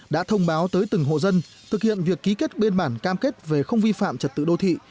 đã thông báo tới từng hộ dân thực hiện việc ký kết biên bản cam kết về không vi phạm trật tự đô thị